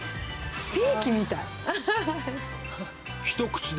ステーキみたい。